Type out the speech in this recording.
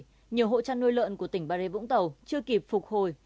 năm hai nghìn một mươi bảy nhiều hộ trăn nuôi lợn của tỉnh bà rịa vũng tàu chưa kịp phục hồi